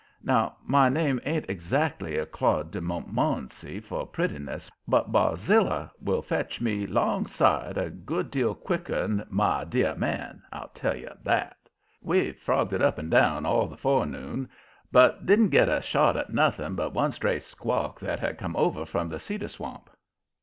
Now, my name ain't exactly a Claude de Montmorency for prettiness, but "Barzilla" 'll fetch ME alongside a good deal quicker'n "my deah man," I'll tell you that. We frogged it up and down all the forenoon, but didn't git a shot at nothing but one stray "squawk" that had come over from the Cedar Swamp.